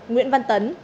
nguyễn văn tấn